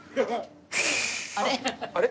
あれ？